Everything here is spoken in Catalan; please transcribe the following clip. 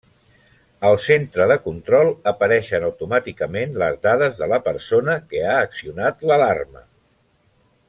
Al centre de control, apareixen automàticament les dades de la persona que ha accionat l'alarma.